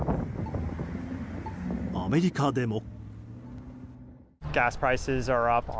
アメリカでも。